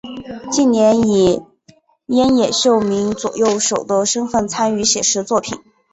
近年以庵野秀明左右手的身份参与写实作品。